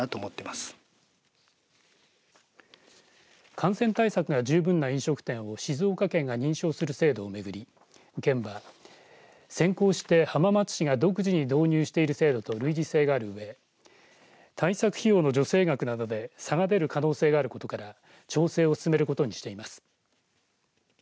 感染対策が十分な飲食店を静岡県が認証する制度をめぐり県は先行して浜松市が独自に導入している制度と類似性があるうえ対策費用の助成額などで差が出る可能性があることから調整を進めることにしています。